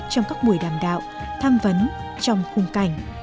trong các buổi đàm đạo tham vấn trong khung cảnh